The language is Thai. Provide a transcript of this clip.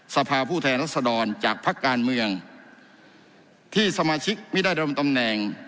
สภาพผู้แทนรัศดรจากพักการเมืองที่สมาชิกไม่ได้ดำตำแหน่ง